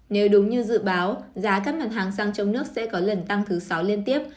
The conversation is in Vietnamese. nếu đúng như dự báo giá các mặt hàng xăng trong nước sẽ có lần tăng thứ sáu liên tiếp